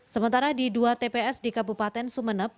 sementara di dua tps di kabupaten sumeneb